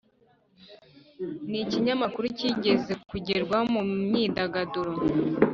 n’ikinyamakuru kigeze kugerwaho mu myidagaduro